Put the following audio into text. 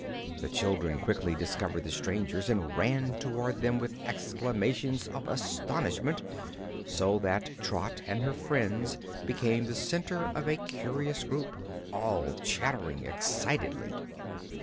The children quickly discovered the strangers and ran toward them with exclamations of astonishment, so that Trot and her friends became the center of a curious group, all chattering excitedly.